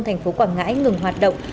thành phố quảng ngãi ngừng hoạt động